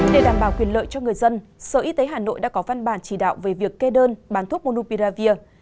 để đảm bảo quyền lợi cho người dân sở y tế hà nội đã có văn bản chỉ đạo về việc kê đơn bán thuốc monupiravir